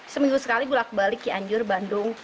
seminggu sekali gua lagi kebalik ke anjur bandung